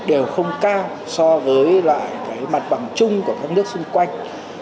đều không cao so với lại cái mặt bằng chung của các nước xung quanh